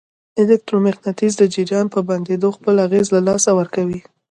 الکترو مقناطیس د جریان په بندېدو خپل اغېز له لاسه ورکوي.